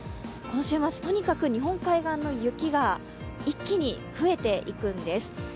この週末、とにかく日本海側の雪が一気に増えていくんです。